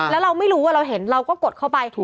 แล้วเราไม่รู้ว่าเราเห็นเราก็กดเข้าไปถูก